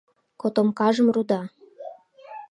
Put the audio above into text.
Котомкажым руда.